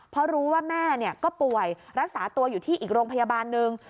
เพราะรู้ว่าแม่ก็ป่วยรักษาตัวอยู่ที่อีกโรงพยาบาลหนึ่ง